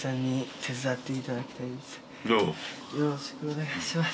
よろしくお願いします。